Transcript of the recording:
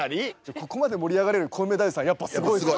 ここまで盛り上がれるコウメ太夫さんやっぱすごいですよね。